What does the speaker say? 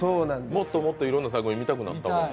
もっともっといろんな作品見たくなった。